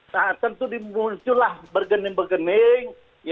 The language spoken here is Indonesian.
nah tentu muncullah bergening bergening